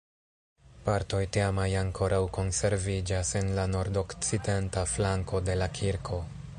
Partoj tiamaj ankoraŭ konserviĝas en la nordokcidenta flanko de la kirko.